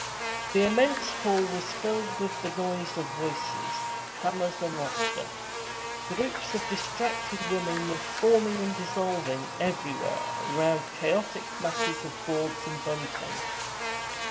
The immense hall was filled with the noise of voices, hammers, and laughter. Groups of distracted women were forming and dissolving everywhere around chaotic masses of boards and bunting.